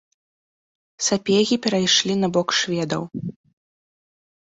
Сапегі перайшлі на бок шведаў.